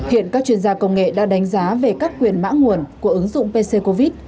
hiện các chuyên gia công nghệ đã đánh giá về các quyền mã nguồn của ứng dụng pc covid